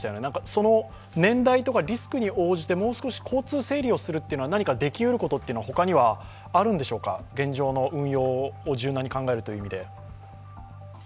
その年代とか、リスクに応じてもう少し交通整理をするということは何かできうることは、ほかにはあるんでしょうか、現状の運用を柔軟に考えるという意味で。